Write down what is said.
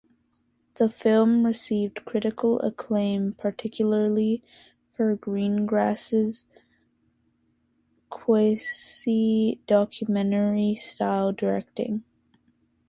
The film received critical acclaim, particularly for Greengrass' quasi-documentary-style directing.